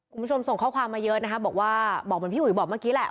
คุณผู้ชมส่งข้อความมาเยอะนะคะบอกว่าบอกเหมือนพี่อุ๋ยบอกเมื่อกี้แหละ